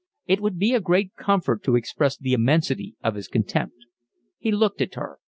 It would be a great comfort to express the immensity of his contempt. He looked at her.